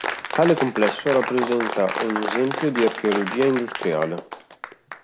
Tale complesso rappresenta un esempio di archeologia industriale.